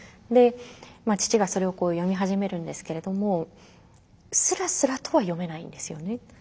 で父がそれを読み始めるんですけれどもすらすらとは読めないんですよね。